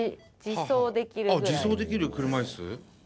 自走できる車椅子？